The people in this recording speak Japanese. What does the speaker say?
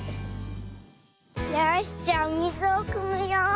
よしじゃあおみずをくむよ。